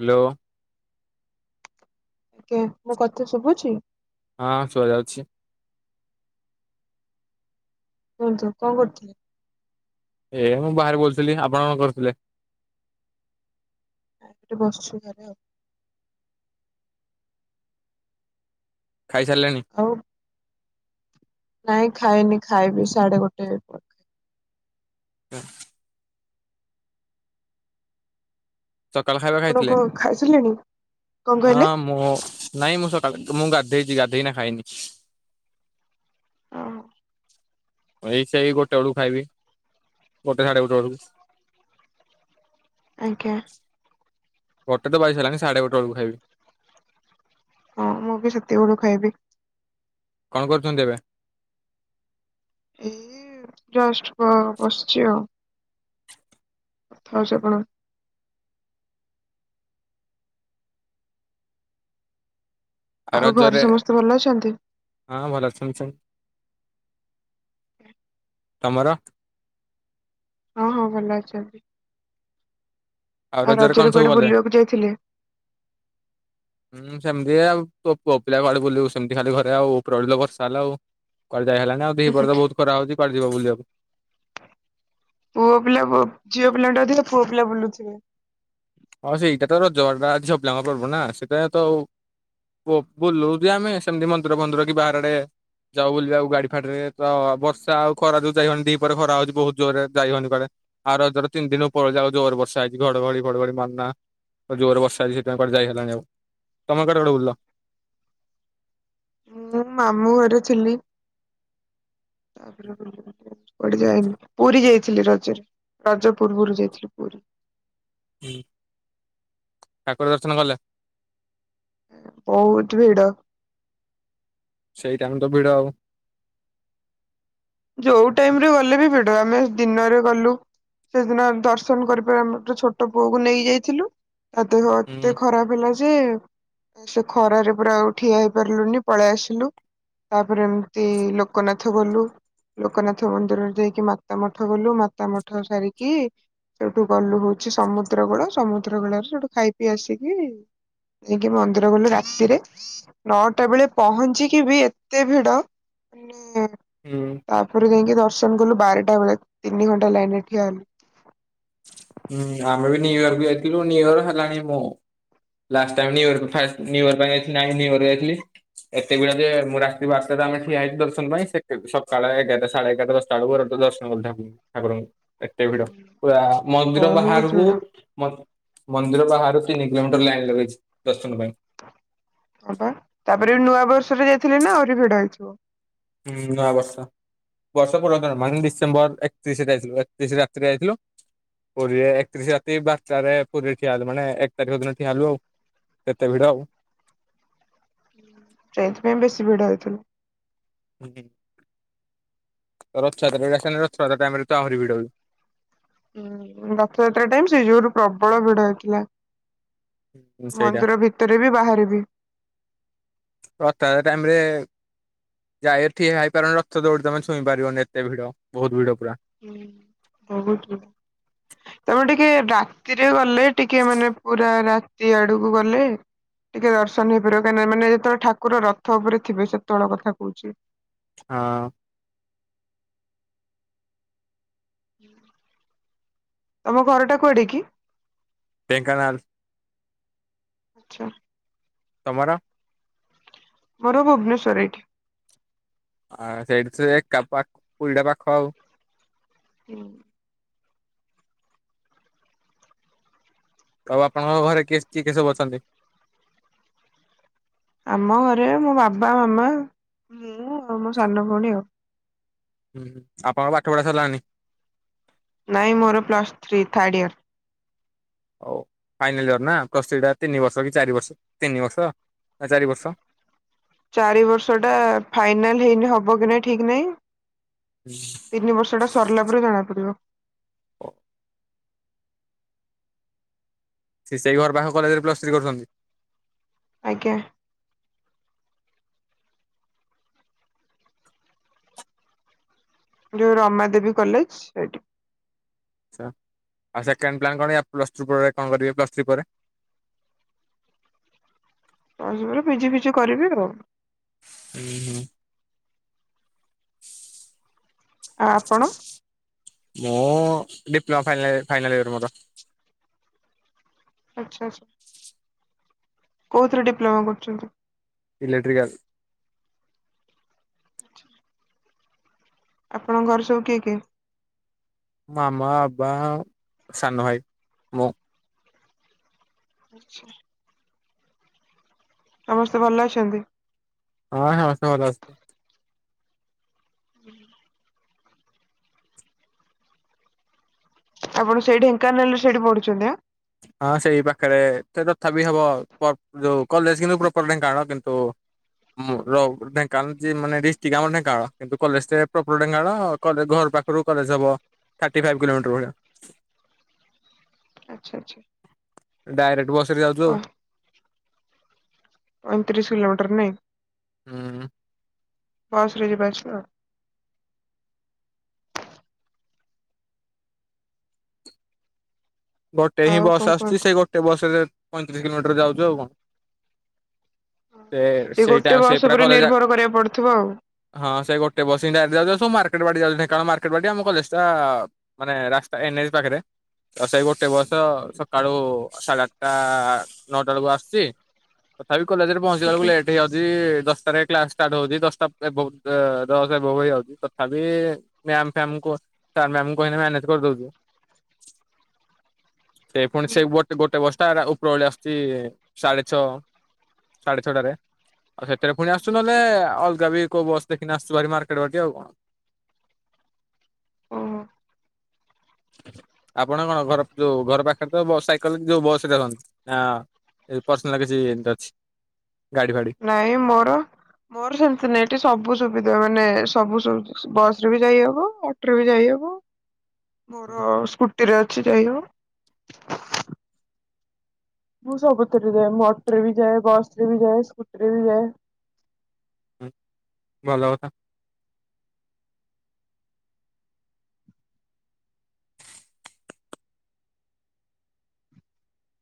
Hello. ଆଜ୍ଞା ମୁଁ କଥା ଶୁଭୁଛି। ହଁ ଶୁଭାଯାଉଛି। କୁହନ୍ତୁ କଣ କରଥିଲେ? ଏଇଆ ମୁଁ ବାହାରେ ବୁଲଥିଲି ଆପଣ କଣ କରୁଥିଲେ? ବସଛି ଘରେ ଆଉ। ଖାଇସାରିଲେଣି? ଆଉ ନାଇଁ ଖାଇନି ଖାଇବି ସାଢେ ଗୋଟେ ପାଖ ଆଁ। ସକାଳ ଖାଇବା ଆପଣ ଖାଇଥିଲେ କଣ ଖାଇସାରିଲେଣି କଣ ହଁ କହିଲେ? ମୁଁ ନାଇଁ ମୁଁ ସ ମୁଁ ଗାଧେଇଚି ଗାଧେଇକି ନା ଖାଇନି। ଓହୋ, ଏଇ ସେଇ ଗୋଟେ ବେଳକୁ ଖାଇବି ଗୋଟେ ସାଢେ ଗୋଟେ ବେଳକୁ। ଆଜ୍ଞା। ଗୋଟେ ତ ବାଜି ଶାଇଲାଣିି ସାଢ଼େ ଗୋଟେ ବେଳକୁ ଖାଇବି। ହଁ ମୁଁ ବି ସେତିକି ବେଳକୁ ଖାଇବି। କଣ କରୁଛନ୍ତି ଏବେ? ଏଇ ଯଷ୍ଟ ବ-ବସିଛି ଆଉ। କଥା ହଊଚି ଆପଣଙ୍କ ଆଉ ଘରେ ରଜରେ ସମସ୍ତେ ଭଲ ଅଛନ୍ତି? ହଁ ଭଲ ଅଛନ୍ତି ସବୁ। ତମର? ହଁ ହଁ ଭଲ ଅଛନ୍ତି। ଆଉ କଣ ରଜରେ ସବୁ କୁଆଡେ କଲେ? ବୁଲିବାକୁ ଯାଇଥିଲେ? ଏଇୟା ଆଉ ପ-ପ-ପୁଅ ପିଲା କୁଆଡେ ବୁଲୁ ସେମିତି ଖାଲି ଘରେ ଆଉ ଉପରଳି ତ ବର୍ଷା ହେଲା ଆଉ। ଯାଇ ହେଲାନି ଆଉ ହୁଁ ହୁଁ, ଦିପହରେ ତ ବହୁତ ଖରା ହଉଛି କୁଆଡେ ଯିବ ବୁଲିବାକୁ। ପୁଅ ପିଲା ପ ଝିଅ ପିଲାଙ୍କ ଠୁ ଅଧିକ ପୁଅ ପିଲା ବୁଲୁିଥିବେ। ହଁ ସେଇଟା ତ ରଜବାରଟା ଝିଅ ପିଲା ଙ୍କ ପର୍ବ ନା ସେଇଟା ତ ଆଉ। ଓ ବୁଲୁ ଯେ ଆମେ ସେମିତି ମନ୍ଦିର ଫନ୍ଦିର କି ବାହାର ଆଡେ। ଯାଉ ବୁଲିବାକୁ ଗାଡି ଫାଡି ରେ ତ ବର୍ଷା ଆଉ ଖରା ଯୋଉ ଯାଇ ହଉନି ଦିପହରେ ଖରା ହଉଛି ବହୁତ ଜୋରରେ ଯାଇ ହବନି କୁଆଡ଼େ। ଆଉ ରଜ ତିନ ଦିନ ଉପର ଓଳି ଯାହା ହଉ ଜୋରେ ବର୍ଷା ହେଇଛି ଘଡଘଡି ଫଡଘଡି ମା ଜୋର ବର୍ଷା ହେଇଛି ସେଥିପାଇଁ କୁଆଡେ ଯାଇ ହେଲାନି ଆଉ। ତମେ କୁଆଡେ କୁଆଡେ ବୁଲିଲ? [inaudible] ମୁଁ ମାମୁଁ ଘରେ ଥିଲି। କୁଆଡେ ଯାଇନି। ପୁରୀ ଯାଇଥିଲି ରଜରେ ରଜ ପୂର୍ବରୁ ଯାଇଥିଲି ପୁରୀ। ଠାକୁର ଦର୍ଶନ କଲେ? ବହୁତ ଭିଡ। ସେଇ ଟାଇମ ତ ଭିଡ ଆଉ। ଯୋଉ ଟାଇମରେ ଗଲେ ବି ଭିଡ। ଆମେ ଦିନରେ ଗଲୁ ସେଦିନ ଦର୍ଶନ କରିପାରି ଆମେ ଗୋଟେ ଛୋଟ ପୁଅକୁ ନେଇ ଯାଇଥିଲୁ। ତା ଦେହ ହୁଁ। ଟିକେ ଖରାପ ହେଲା ଯେ ଯେ ସେ ଖରାରେ ପୁରା ଆଉ ଠିଆ ହେଇପାରିଲୁନି ପଳେଇ ଆସିଲୁ। ତାପରେ ଏମତି ଲୋକନାଥ ଗଲୁ। ଲୋକନାଥ ମନ୍ଦିରରେ ଯାଇକି ମାତା ମଠ ଗଲୁ। ମାତା ମଠ ସାରିକି ସେଇଠୁ ଗଲୁ ହଉଛି ସମୁଦ୍ର କୂଳ ସମୁଦ୍ର କୂଳରେ ସେଠୁ ଖାଇ ପିଇ ଆସିକି ଯକି ମନ୍ଦିର ଗଲୁ ରାତିରେ ନଅଟା ବେଳେ ପହଞ୍ଚିକି ବି ଏତେ ଭିଡ। [inaudible] ହୁଁ ତାପରେ ଯାଇକି ଦର୍ଶନ କଲୁ ବାରଟା ବେଳେ। ତିନି ଘଣ୍ଟା ଲାଇନରେ ଠିଆ ହେଲୁ। ହୁଁ ଆମେ ବି ନିୁୟର କୁ ଯାଇଥିଲୁ ନିୁୟର ହେଲାଣି ମୁଁ last time new year first new year ପାଇଁ ଯାଇଥିଲି ନ୍ୟୁୟର ରେ ଯାଇଥିଲି। ଏତେ ଭିଡ଼ ଯେ ମୁଁ ରାତି ବାରଟା ତ ଆମେ ଠିଆ ହେଇଚୁ ଦର୍ଶନ ପାଇଁ । ସକାଳ ଏଗାରଟାଢେ ଏଗାରା ଦଶଟା ବେଳ କୁ ଦର୍ଶନ କଲୁ ଠାକୁରଙ୍କୁ ଏତେ ଭିଡ ପୁରା। ମନ୍ଦିର ବହୁତ ବାହାରକୁ ଭିଡ ମନ୍ଦିର ବାହାରୁ ତିନି କିଲୋମିଟର ଲାଇନ୍ ଲଗେଇଛି ଦର୍ଶନ ପାଇଁ। ହଁ ପା ତାପରେ ନୂଆ ବର୍ଷରେ ଯାଇଥିଲେ ନା ଆହୁରି ଭିଡ ହେଇଥିବ। ହୁଁ ନୂଆବର୍ଷ। ବର୍ଷ ପୁରା ମାନେ ଡିସେମ୍ବର ଏକତିରିଶରେ ଯାଇଥିଲୁ ଏକତିରିଶ ରାତିରେ ଯାଇଥିଲୁ। ପୁରୀରେ ଏକତିରିଶ ରାତି ବାରଟାରେ ପୁରୀରେ ଠିଆ ହେଲୁ ମାନେ ଏକ ତାରିଖ ଦିନ ଠିଆ ହେଲୁ ଆଉ। ଏତେ ଭିଡ଼ ସେଇଥିପାଇଁ ବେଶୀ ଭିଡ ହେଇଥିଲୁ। [inaudible] ରଥଯାତ୍ରାରେ [unintelligible] ରଥଯାତ୍ରା ଟାଇମରେ ତ ଆହୁରି ଭିଡ଼। ଉଁ ରଥଯାତ୍ରା ଟାଇମ୍ ରେ ଯୋରେ ପ୍ରବଳ ଭିଡ ହେଇଥିଲା। ହୁଏ ସେଇଟା ମନ୍ଦିର ଭିତରେ ବି ବାହାରେବି। [unintelligible] ଯାଇ ଠିଆ ହେଇପାରିବନି ରଥ ଦୌଡି ତମେ ଛୁଇଁ ପାରିବନି ଏତେ ଭିଡ ବହୁତ ଭିଡ। ପୁରା ତମ ଟିକେ ରାତିରେ ଗ ଗଲେ ଟିକେ ମାନେ ପୁରା ରାତି ଆଡକୁ ଗଲେ । ଟିକେ ଦର୍ଶନ ହେଇପାରିବ କାହିଁ ନା ମାନେ ଯେତେ ବେଳେ ଠାକୁର ରଥ ଉପରେ ଥିବେ ସେତେବେଳ କଥା କହୁଛି । ହଁ । ତମ ଘର ଟା କୁଆଡେ କି । ଢେଙ୍କାନାଳ । ଆଚ୍ଛା। ତମର । ମୋର ଭୁବନେଶ୍ଵର ଏଇଠି । ଆ ସେଇଠି ସେ ଏକା ପାଖ ପୁରୀଟା ପାଖ ଆଉ । ହୁଁ । ତ ଆଉ ଆପଣଙ୍କ ଘରେ କିଏ ସ କିଏ କି ସବୁ ଅଛନ୍ତି । ଆମ ଘରେ ମୋ ବାବା ମାମା ମୁଁ ଆଉ ମୋ ସାନ ଭଉଣୀ ଆଉ । ହୁଁ ହୁଁ ଆପଣଙ୍କ ପାଠ ପଢା ସରିଲାଣି । ନାଇଁ ମୋର ପ୍ଲସ ଥ୍ରୀ ଥାର୍ଡ ଇୟର । ହଉ ଫାଇନାଲ ଇୟର ନା ପ୍ଲସ ଥ୍ରି ଟା ତିନି ବର୍ଷ କି ଚାରି ବର୍ଷ ତିନି ବର୍ଷ । ନା ଚାରି ବର୍ଷ । ଚାରି ବର୍ଷ ଟା ଫାଇନାଲ ହେଇନି ହବ କି ନାଇ ଠିକ ନାଇଁ । ତିନି ବର୍ଷଟା ସରିଲା ପରେ ଜଣାପଡିବ । ସେ ସେଇ ଘର ପାଖ କଲେଜ ରେ ପ୍ଲସ୍ ଥ୍ରୀ କରୁଛନ୍ତି । ଆଜ୍ଞା । ଯୋଉ ରମା ଦେବୀ କଲେଜ ସେଇଠି । ଆଚ୍ଛା ଆଉ ସେକେଣ୍ଡ ପ୍ଲାନ୍ କଣ ୟା ପ୍ଲସ୍ ଟୁ ପରେ କଣ କରିବେ ପ୍ଲସ୍ ଥ୍ରୀ ପରେ । [inaudible] ପ୍ଲସ ଥ୍ରି ପରେ ଫିଜି ଫିଜି କରିବି ଆଉ । ହୁଁ ହୁଁ । ଆଉ ଆପଣ? ମୁଁ ଡିପ୍ଲୋମା ଫାଇନାଲ ଫାଇନାଲ ଇୟର ମୋର । ଆଚ୍ଛା ଆଛା । କୋଉଥିରେ ଡିପ୍ଲୋମା କରୁଚନ୍ତି । ଇଲେକ୍ଟ୍ରିକାଲ । ଆପଣଙ୍କ ଘରେ ସବୁ କିଏ କିଏ । ମାମା ବାବା ସାନ ଭାଇ ମୁଁ । ଆଛା । ସମସ୍ତେ ଭଲ ଅଛନ୍ତି । ହଁ ସମସ୍ତେ ଭଲ ଅଛନ୍ତି। [unintelligible] ଆପଣ ସେଇ ଢେଙ୍କାନାଳ ରେ ସେଇଠି ପଢୁଛନ୍ତି ଆଁ। ହଁ ସେଇ ପାଖରେ ସେ ତଥାପି ହବ ପର ଯୋଉ କଲେଜ କିନ୍ତୁ ପ୍ରପର ଢେଙ୍କାନାଳ କିନ୍ତୁ । ମୋ ରଉ ଢେଙ୍କାନାଳ ଜି ମାନେ ଡିଷ୍ଟ୍ରିକ ଆମର ଢେଙ୍କାନାଳ କିନ୍ତୁ କଲେଜ ପ୍ରପର ଢେଙ୍କାନାଳ ଘ ର ପାଖରୁ କଲେଜ ହବ ଥାର୍ଟୀ ଫାଇପି କିଲୋମିଟର ଭଳିଆ । ଆଚ୍ଛା ଆଚ୍ଛା । ଡାଇରେକ୍ଟ ବସରେ ଯାଉଛୁ ଆଉ। ପଇଁତିରିଶ କିିଲୋମିଟର ନାଇଁ । ହୁଁ । ବସ ରେ ଯିବା ଆସିବା । ଗୋଟେ ହିଁ ଆଉ ବସ୍ କଣ ଆସୁଛି କୁହନ୍ତୁ ସେଇ ଗୋଟେ ବସରେ ପଇଁତିରିଶ କିଲୋମିଟର ଯାଉଚୁ ଆଉ କଣ । ସେ ସେଇ ଟାଇମ ଗୋଟେ ସେଇ ବସ୍ ପରା ଉପରେ କଲେଜ । ନିର୍ଭର କରିବାକୁ ପଡୁଥିବ ଆଉ ହଁ ସେ ଗୋଟେ ବସ ହିଁ ଡାଇରେକ୍ଟ ଯାଉଚି ଆଉ ସବୁ ମାର୍କେଟ ବାଟେ ଯାଉଚନ୍ତି । କାରଣ ମାର୍କେଟ ବାଟେ ଆମ କଲେଜ ଟା ମାନେ ରାସ୍ତା ଏନ୍ଏଚ ପାଖରେ ତ ସେଇ ଗୋଟେ । ଗୋଟେ ବସ ସକାଳୁ ସାଢେ ଆଠଟା ନଅଟା ବେଳକୁ ଆସୁଛି ତଥାପି । କଲେଜରେ ପହଞ୍ଚିଲା ବେଳକୁ ଟିକେ ଲେଟ୍ ହେଇଯାଉଛି ଦଶଟାରେ କ୍ଲାସ ଷ୍ଟାର୍ଟ ହଉଚି ଦଶଟା ବହୁତ ବଛି ତଥାପି ମ୍ୟାମ ଫ୍ୟାମ କୁ ଆମକୁ କହିଲେ ମ୍ୟାନେଜ କରିଦଉଛୁ । ସେ ପୁଣି ହୁଁ ସେ ଗୋଟେ ଗୋଟେ ବସ। ସଟା ଉପର ଭଳି ଆସୁଛି ସାଢ଼େ ଛଅ ସାଢ଼େ ଛଅଟାରେ ଆଉ ସେ ସେରେ ପୁଣି ଆସୁ ନହେଲେ ଆଚ୍ଛା ଅଲଗା ବି କୋଉ ବସ ଦେଖିନି ଆସୁଛୁ ମାର୍କେଟ ବାଟେ ଆଉ କଅଣ। ଓ ଆପଣ କଣ ଘର ଯୋଉ ଘର ପାଖରେ ତ ବସ ସାଇକେଲ ଯୋଉ ବସ ରେ ରହନ୍ତି ଆ ଏ ପର୍ସନାଲ କିଛି ଏମିତି ଅଛି । ନାଇଁ ମୋର ମୋର ସେମିତି ନାଇଁ ଏଠି ସବୁ ସୁବିଧା ମାନେ ସବୁ ସବୁ ବସ ରେ ବି ଯାଇ ହବ ଅଟୋ ରେ ବି ଯାଇ ହବ । ମୋର ସ୍କୁଟିରେ ଅଛି ଯାଇହେବ। ମୁଁ ସବୁଥରେ ଯାଏ ମୁ ଅଟୋ ରେ ବି ଯାଏ ବସରେ ବି ଯାଏ ସ୍କୁଟର ବି ଯାଏ । ହ ଭଲ କଥା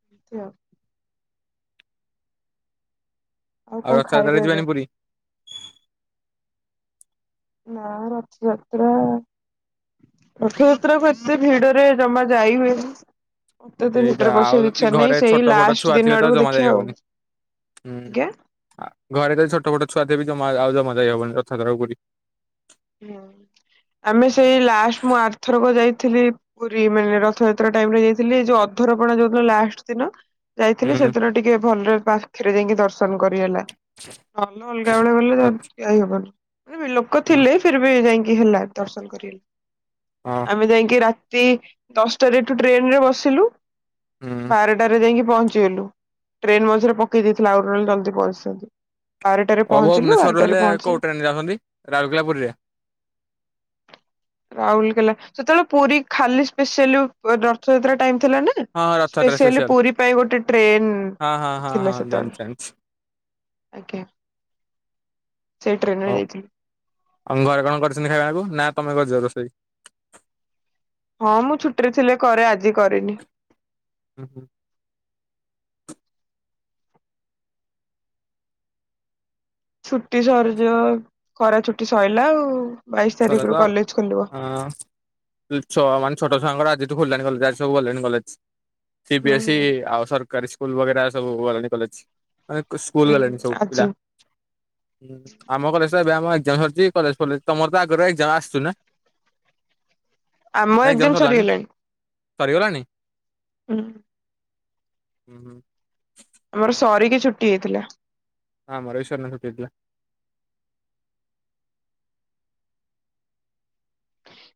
[unintelligible] ଆଉ କଣ ରଥ ଯାତ୍ରା ଖାଇବେ ରେ ଏବେ ଯିବନି ପୁରୀ । ନା ରଥଯାତ୍ରା ରଥ ଯାତ୍ରା କୁ ଏତେ ଭିଡରେ ଜମା ଯାଇ ହୁଏନି। ମତେ ତ ଏଇଟା ଭିତରେ ଆଉ ପଶିବାକୁ ଯଦି ଇଚ୍ଛା ନାହିଁ ଘରେ ସେଇ ଛୋଟ ଫୋଟ ଲାଷ୍ଟ ଛୁଆ ଦିନ ଥିବେ ତ ଆଡକୁ ଜମା ଯାଇ ଦେଖିବା ଆଉ ହବନି । ହୁଁ ଆ ଘରେ ତ ଛୋଟ ଛଟ ଛୁଆ ଦେ ବି ଜମା ଆଉ ଜମା । ଯାଇ ହବନି ରଥାଯାତ୍ରା କୁ ବୁଲି ହୁଁ ଆମେ ସେଇ ଲାଷ୍ଟ ମୁଁ ଆର୍ଥରକ ଯାଇଥିଲି ପୁରୀ ମାନେ ରଥଯାତ୍ରା । ଟାଇମ୍ ରେ ଯାଇଥିଲି ଯଉ ଅଧରପଣା ଯୋଉଦିନ ଲାଷ୍ଟ ଦିନ। ଯାଇଥିଲି ହୁଁ ସେଦିନ ଟିକେ ଭଲରେ ପାଖରେ ଯାଇକି ଦର୍ଶନ କରି ହେଲା। ଭଲ ଅଲଗା ବେଳେଆ ଗଲେ ଆଚ୍ଛା ଯାଇ ହବନି ବି ଲୋକ ହଁ ଥିଲେ । ବି ଯାଇକି ହେଲା ଦର୍ଶନ କରଲେ ଆମେ ଯାଇକି ରାତି । ତୀ ଦଶଟାରେ ଏଠୁ ଟ୍ରେନ ରେ ବସିଲୁ ହୁଁ। ବାରଟାରେ ଯାଇକି। ପହଞ୍ଚିଲୁ ଟ୍ରେନ୍ ମଝିରେ ପକେଇ ଦେଇଥିଲା ଆଉରି ନହେଲେ ଜଲଦି ପହଞ୍ଚିଥାନ୍ତି । ବାରଟାରେ ଓ ପହଞ୍ଚିଲୁ ଭୁବନେଶ୍ୱରରୁ ବାରଟାରେ ହେଲେ ପହଞ୍ଚି କୋଉ । ଟ୍ରେନରେ ଯାଉଛନ୍ତି ରାଉରକେଲା ପୁରୀରେ ରାଉରକେଲା। ସେତେବେଳେ ପୁରୀ ଖାଲି ସ୍ପେଶଆଲି ଉ ରଥଯାତ୍ରା ଟାଇମ୍ । ଥିଲା ନା ହଁ ହଁ ରଥଯାତ୍ରା ସ୍ପେସିଆଲ ପୁରୀ ପାଇଁ ଗୋଟେ ଟ୍ରେନ୍ ହଁ ହଁ ହଁ ହଁ ଥିଲା ସେତେବେଳେ ଜାଣିଛି । ଜାଣିଛି ଆଜ୍ଞା ସେଇ ଟ୍ରେନ ରେ ହଉ ଯାଇଥିଲୁ। ଆମ ଘରେ କଣ କରିଛନ୍ତି ଖାଇବାକୁ ନା ତମେ କରିଛ ରୋଷେଇ । ହଁ ମୁଁ ଛୁଟିରେ ଥିଲି କରେ ଆଜି କରିନି। ହୁଁ ହୁଁ ଛୁଟି ସରିଯିବ ଖରା ଛୁଟି ସଇଲା ଆଉ। ବାଇଶି ସେତ ତାରିଖରୁ କଲେଜ ଖୋଲିବ ଆ ଉ ଛୁଆ ମାନେ ଛୋଟ ଛୁଆଙ୍କର ଆଜିଠୁ ଖୋଲିଲାଣି କଲେଜ । ଏଆଡେ ସବୁ ଗଲେଣି କଲେଜ ସି ବିି ହୁଁ ଏସ୍ଇ ଆଉ ସରକାରୀ ସ୍କୁଲେ ସବୁ ଗଲେଣି କଲେଜ। ମାନେ ସ୍କୁଲ ହୁଁ ହୁଁ ଗଲେଣି ସବୁ ଆଜି ପିଲା ଆମ କଲେଜ । ଏବେ ଆମ ଏକ୍ଜାମ ସରିଛି କଲେଜ ଫଲେଜ ତମର ଆଗରୁ ଏଜାମ ଆସୁଛି ନା । ଆମ ଏକ୍ସାମ ସରିଗଲାଣି । ସରିଗଲାଣି। ହୁଁ। ହୁଁ ହୁଁ। ଆମର ସରିକି ଛୁଟି ହେଇଥିଲା । ହଁ ଆମର ବି ସେଦିନ ଛୁଟି ହେଇଥିଲା ।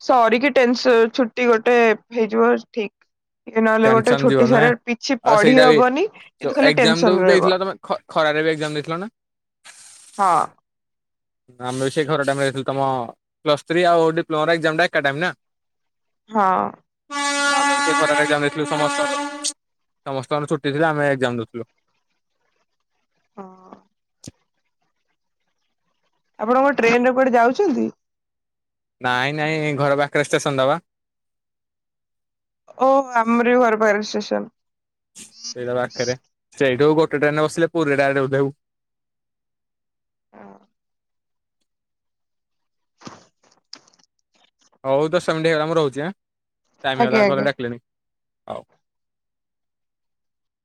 ସରି କି ଟେନସ ଛୁଟି ଗୋଟେ ହେଇଯିବ ଠିକ । ଟିକ ନହେଲେ ଗୋଟେ ଟେନସନ ଛୁଟି ଜୀବନ ହେ। ସାର ପିଛି ଆଉ ପଢି ସେଇଟା ବି ହବନି କିନ୍ତୁ ଖାଲି ଟେନସନ ରହିବ। କାଲି ବି ଏକ୍ସାମ୍ ଦେଇଥିଲ ନା। ହଁ। ଆମେ ବି ସେ ଘର ଟାଇମରେଥିଲୁ ତମ ପ୍ଲସ୍ ଥ୍ରୀ ଆଉ ଡିପ୍ଲୋମ ଏକ୍ଜାମ ଟା ଏକା ଟାଇମ ନା। ହଁ। ଟ ଦେଇଥିଲୁ ସମସ୍ତଙ୍କ ସମସ୍ତଙ୍କ ଛୁଟି ଥିଲେ ଆମେ ଏଜାମ ଦେଇଥିଲୁ। । ହଁ। ଆପଣଙ୍କ ଟ୍ରେନ ରେ କୁଆଡେ ଯାଉଚନ୍ତି? ନାଇଁ ନାଇଁ ଘର ପାଖରେ ଷ୍ଟେସନ ଦବା। ଓ ଆମରି ବି ଘର ପାଖରେ ଷ୍ଟେସନ୍। ସେଇଟା ପାଖରେ ସେଇ ଗୋଟେ ଟ୍ରେନ ରେ ବସିଲେ ପୁରୀ ରେ ଡାଇରେକ୍ଟ ଓଲ୍ହେଇବୁ। ହଁ। ହଉ ଦଶ ମିନିଟ ହେଇଗଲା ମୁଁ ରହୁଛି ଟାଇମ ହେଲା ଆଜ୍ଞା ଘରେ ଆଜ୍ଞା। ଡାକିଲେଣିି। ହଉ।